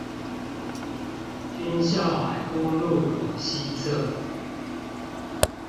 軍校海功路口西側